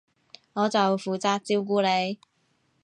我就負責照顧你